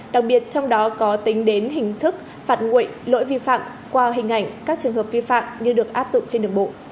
đặc biệt trong đó có tính đến hình thức phạt nguội lỗi vi phạm qua hình ảnh các trường hợp vi phạm như được áp dụng trên đường bộ